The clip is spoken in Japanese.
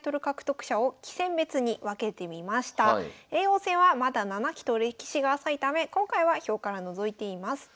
叡王戦はまだ７期と歴史が浅いため今回は表から除いています。